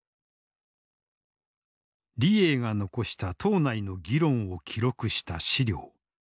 李鋭が残した党内の議論を記録した史料。